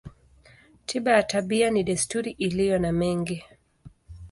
Tiba ya tabia ni desturi iliyo na mengi.